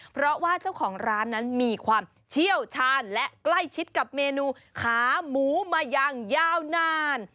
เพราะว่าเจ้าของร้านนั้นมีความเชี่ยวชาญและใกล้ชิดกับเมนูขาหมูมาอย่างยาวนาน